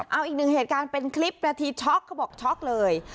เอาอีกหนึ่งเหตุการณ์เป็นคลิปนาทีช็อกเขาบอกช็อกเลย